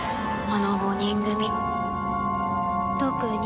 あの５人組。